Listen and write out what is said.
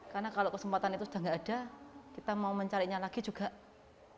karena kalau kesempatan itu sudah tidak ada kita mau mencarinya lagi juga tidak bisa